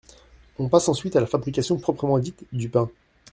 On passe ensuite à la fabrication proprement dite du pain.